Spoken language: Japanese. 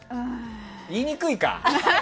言いにくいか。